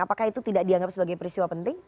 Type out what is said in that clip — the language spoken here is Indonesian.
apakah itu tidak dianggap sebagai peristiwa penting